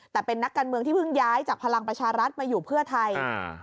แต่เป็นนักการเมืองที่เพิ่งย้ายจากพลังประชารัฐมาอยู่เพื่อไทย